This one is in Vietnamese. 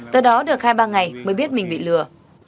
từ đó được hai ba ngày mới biết mình bị lừa